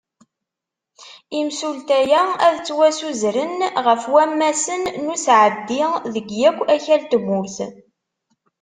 Imsulta-a, ad ttwasuzren ɣef wammasen n usɛeddi deg yakk akal n tmurt.